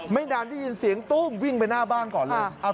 ไม่นานได้ยินเสียงตู้มวิ่งไปหน้าบ้านก่อนเลย